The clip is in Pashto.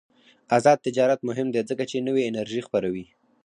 آزاد تجارت مهم دی ځکه چې نوې انرژي خپروي.